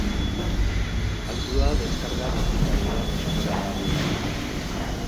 Kantua descarga digitalean eskuragarri dago.